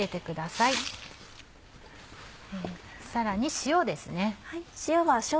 さらに塩ですね。